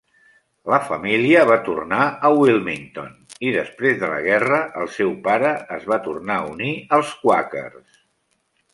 La família va tornar a Wilmington i després de la guerra el seu pare es va tornar a unir als quàquers.